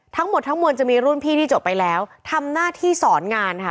ทั้งหมดทั้งมวลจะมีรุ่นพี่ที่จบไปแล้วทำหน้าที่สอนงานค่ะ